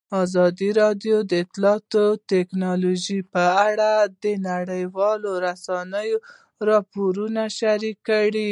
ازادي راډیو د اطلاعاتی تکنالوژي په اړه د نړیوالو رسنیو راپورونه شریک کړي.